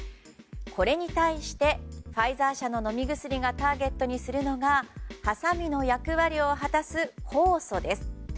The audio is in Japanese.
これに対して、ファイザー社の飲み薬がターゲットにするのがはさみの役割を果たす酵素です。